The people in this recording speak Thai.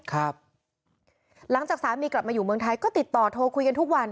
หลังจากสามีกลับมาอยู่เมืองไทยก็ติดต่อโทรคุยกันทุกวัน